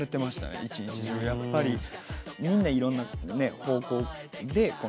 やっぱりみんないろんな方向で。